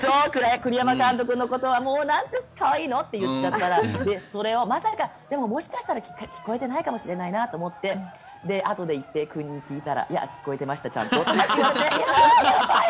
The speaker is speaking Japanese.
栗山監督のことはもうなんて可愛いの！って言っちゃったらそれをまさか、でももしかしたら聞こえてないかもしれないなと思ってあとで一平君に聞いたらちゃんと聞こえてましたって。